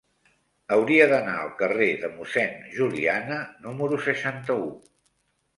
Hauria d'anar al carrer de Mossèn Juliana número seixanta-u.